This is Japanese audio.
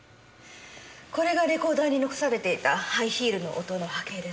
これがレコーダーに残されていたハイヒールの音の波形です。